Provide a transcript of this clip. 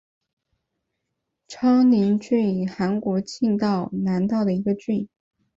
昌宁郡韩国庆尚南道的一个郡。